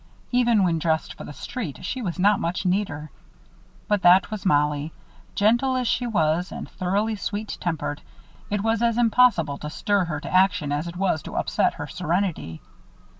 Even when dressed for the street, she was not much neater. But that was Mollie. Gentle as she was and thoroughly sweet tempered, it was as impossible to stir her to action as it was to upset her serenity.